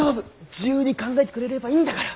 自由に考えてくれればいいんだから。